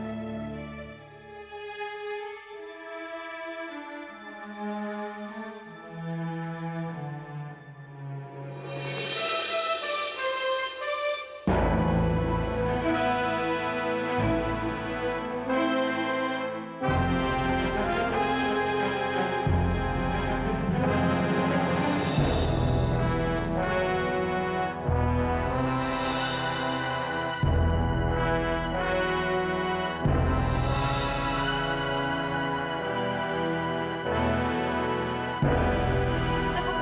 salah satu anak